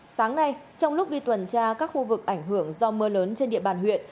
sáng nay trong lúc đi tuần tra các khu vực ảnh hưởng do mưa lớn trên địa bàn huyện